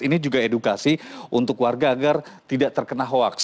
ini juga edukasi untuk warga agar tidak terkena hoax